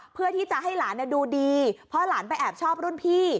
เพื่อที่จะให้หลานดูดีเพราะหลานไปแอบชอบรุ่นพี่